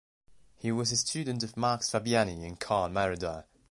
He was a student of Max Fabiani and Karl Mayreder.